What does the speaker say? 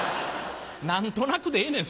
何となくでええねん